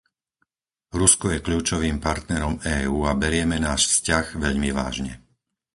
Rusko je kľúčovým partnerom EÚ a berieme náš vzťah veľmi vážne.